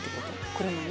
車に？